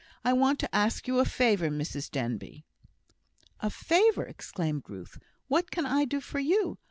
I want to ask you a favour, Mrs Denbigh." "A favour!" exclaimed Ruth; "what can I do for you?